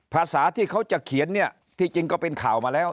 ภาษาที่เขาจะเขียนเนี่ยที่จริงก็เป็นข่าวมาแล้ว